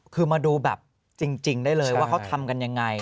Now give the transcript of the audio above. คือมาดูแบบจริงได้เลยว่าเขาทำกันยังไง